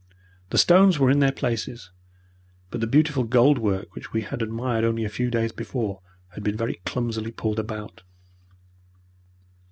The stones were in their places, but the beautiful gold work which we had admired only a few days before had been very clumsily pulled about.